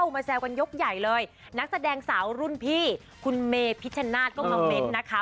มาแซวกันยกใหญ่เลยนักแสดงสาวรุ่นพี่คุณเมพิชชนาธิ์ก็มาเมนต์นะคะ